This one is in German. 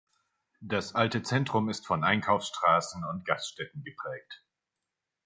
Das alte Zentrum ist von Einkaufsstraßen und Gaststätten geprägt.